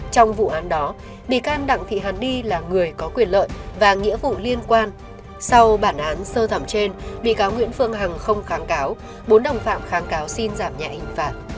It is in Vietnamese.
trong vụ án đó bị can đặng thị hàn ni là người có quyền lợi và nghĩa vụ liên quan sau bản án sơ thẩm trên bị cáo nguyễn phương hằng không kháng cáo bốn đồng phạm kháng cáo xin giảm nhạy hình phạt